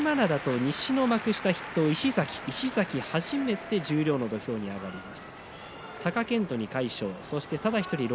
西の幕下筆頭の石崎初めて十両の土俵に上がります。